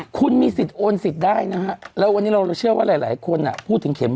คุณมีสิทธิ์โอนสิทธิ์ได้นะฮะแล้ววันนี้เราเชื่อว่าหลายคนพูดถึงเข็ม